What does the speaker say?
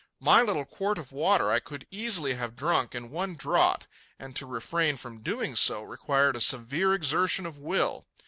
My little quart of water I could easily have drunk in one draught, and to refrain from doing so required a severe exertion of will.